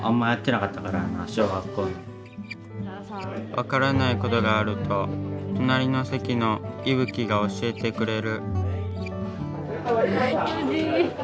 分からないことがあると隣の席のいぶきが教えてくれる。